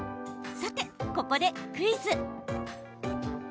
さてここでクイズ。